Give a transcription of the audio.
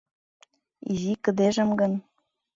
Изи кыдежым гын...